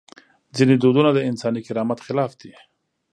ځینې دودونه د انساني کرامت خلاف دي.